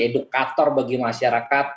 edukator bagi masyarakat